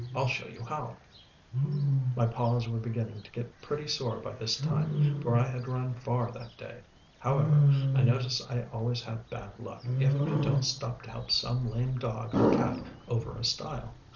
I'll show you how." My paws were beginning to get pretty sore by this time, for I had run far that day. However, I notice I always have bad luck, if I don't stop to help some lame dog or cat over a stile.